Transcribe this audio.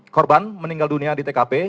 korban meninggal dunia di tkp